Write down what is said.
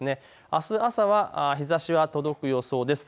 あす朝は日ざしが届く予想です。